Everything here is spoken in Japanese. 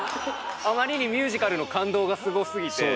あまりにミュージカルの感動がすごすぎて。